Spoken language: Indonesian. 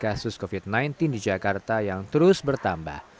kasus covid sembilan belas di jakarta yang terus bertambah